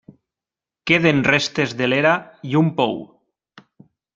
Queden restes de l'era i un pou.